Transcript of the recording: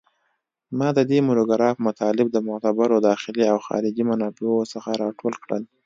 ما د دې مونوګراف مطالب د معتبرو داخلي او خارجي منابعو څخه راټول کړل